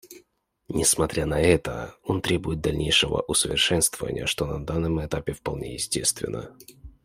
Несмотря на это, он требует дальнейшего усовершенствования, что на данном этапе вполне естественно.